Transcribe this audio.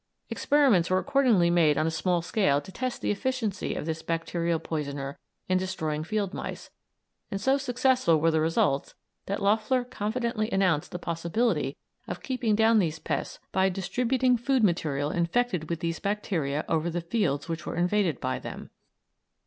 Experiments were accordingly made on a small scale to test the efficiency of this bacterial poisoner in destroying field mice, and so successful were the results that Loeffler confidently announced the possibility of keeping down these pests by distributing food material infected with these bacteria over fields which were invaded by them.